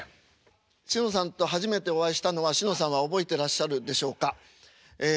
しのさんと初めてお会いしたのはしのさんは覚えてらっしゃるでしょうかええ